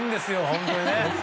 本当にね。